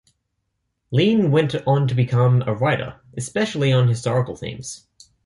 Lean went on to become a writer, especially on historical themes.